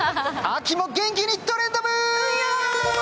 秋も元気にトレンド部！